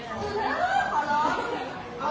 สู้ทั้งที่